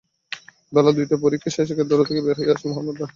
বেলা দুইটার দিকে পরীক্ষা শেষে কেন্দ্র থেকে বের হয়ে আসেন মোহাম্মদ আরিফ।